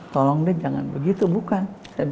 tolong deh jangan begitu bukan